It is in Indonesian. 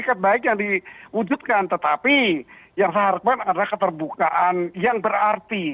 etikat baik yang diwujudkan tetapi yang salah harapan adalah keterbukaan yang berarti